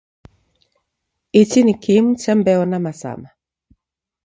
Ichi ni kimu cha mbeo na masama.